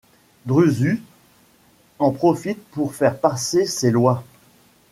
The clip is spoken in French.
Drusus en profite pour faire passer ses lois.